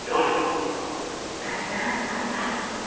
あんなばんば。